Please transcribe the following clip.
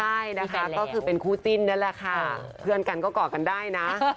ใช่นะคะก็คือเป็นคู่จิ้นนั่นแหละค่ะเพื่อนกันก็กอดกันได้นะ